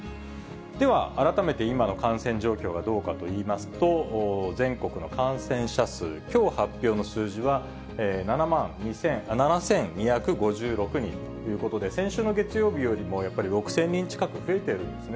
では、改めて今の感染状況がどうかといいますと、全国の感染者数、きょう発表の数字は、７万７２５６人ということで、先週の月曜日よりもやっぱり６０００人近く増えているんですね。